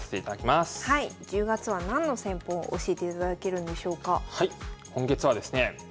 １０月は何の戦法を教えていただけるんでしょうか？